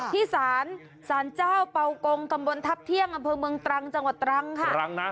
ที่สารสารเจ้าเป่ากงตำบลทัพเที่ยงอำเภอเมืองตรังจังหวัดตรังค่ะ